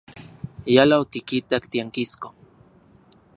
Yala otikitak tiankisko.